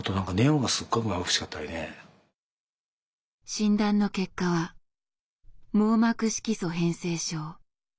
診断の結果は網膜色素変性症。